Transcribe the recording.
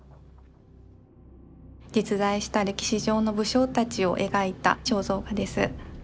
実在した歴史上の武将たちを描いた肖像画です。